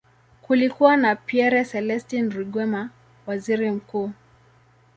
Kulikuwa na Pierre Celestin Rwigema, waziri mkuu.